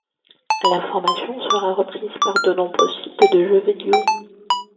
L'information sera reprise par de nombreux sites de jeu vidéo.